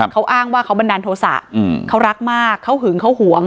เขาอ้างว่าเขาบันดาลโทษะเขารักมากเขาหึงเขาหวง